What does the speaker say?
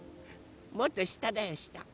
もっとしただよした。